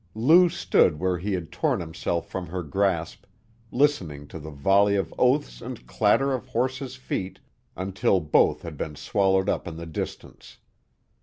Lou stood where he had torn himself from her grasp, listening to the volley of oaths and clatter of horses's feet until both had been swallowed up in the distance.